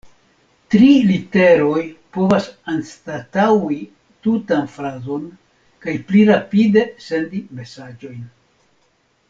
Tri literoj povas anstataŭi tutan frazon kaj pli rapide sendi mesaĝojn.